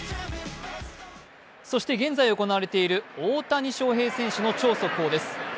そして現在行われている大谷翔平選手の超速報です。